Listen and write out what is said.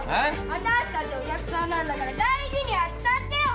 私たちお客さんなんだから大事に扱ってよ！